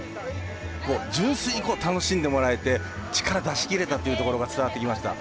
純粋に楽しんでもらえて力を出し切れたということが伝わってきました。